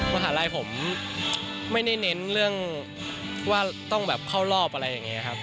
มหาลัยผมไม่ได้เน้นเรื่องว่าต้องแบบเข้ารอบอะไรอย่างนี้ครับ